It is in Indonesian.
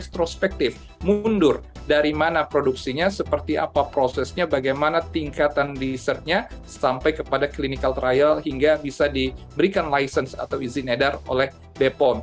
nah ini harus diketahui secara ekstrospektif mundur dari mana produksinya seperti apa prosesnya bagaimana tingkatan risetnya sampai kepada clinical trial hingga bisa diberikan license atau izin edar oleh bepom